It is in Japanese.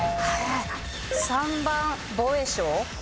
３番防衛省？